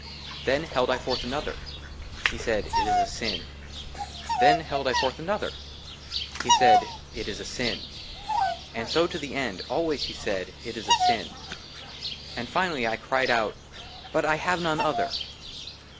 THEN HELD I FORTH ANOTHER ; HE SAID, *' IT IS A SIN." THEN HELD I FORTH ANOTHER ; HE SAID, " IT IS A SIN." AND SO TO THE END ; ALWAYS HE SAID, " IT IS A SIN." AND, FINALLY, I CRIED OUT, " BUT I HAVE NONE OTHER."